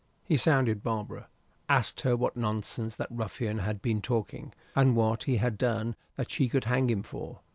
He sounded Barbara; asked her what nonsense that ruffian had been talking, and what he had done that she could hang him for.